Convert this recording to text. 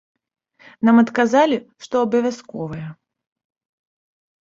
Нам адказалі, што абавязковае.